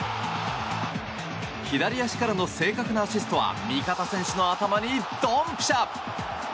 左足からの正確なアシストは味方選手の頭にドンピシャ。